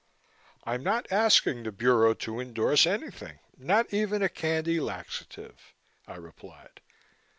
"I'm not asking the Bureau to endorse anything, not even a candy laxative," I replied.